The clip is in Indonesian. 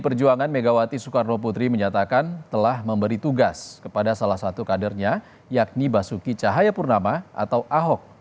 perjuangan megawati soekarno putri menyatakan telah memberi tugas kepada salah satu kadernya yakni basuki cahayapurnama atau ahok